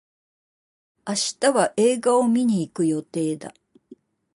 明日は映画を観に行く予定だ。